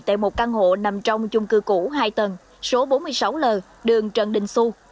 tại một căn hộ nằm trong chung cư cũ hai tầng số bốn mươi sáu l đường trần đình xu